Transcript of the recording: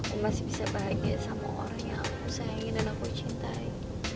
aku masih bisa bahagia sama orang yang saya ingin dan aku cintai